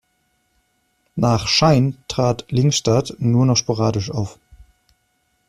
Nach "Shine" trat Lyngstad nur noch sporadisch auf.